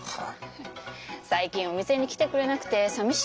最近お店に来てくれなくてさみしくてさ。